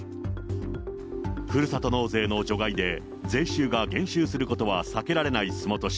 ふるさと納税の除外で、税収が減収することは避けられない洲本市。